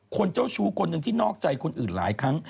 เจ้าชู้คนหนึ่งที่นอกใจคนอื่นหลายครั้ง